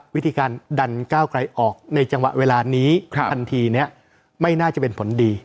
วิธีการดันก้าวไกลออกในจังหวะเวลานี้ทันทีเนี่ยไม่น่าจะเป็นผลดี